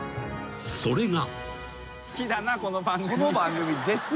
それが］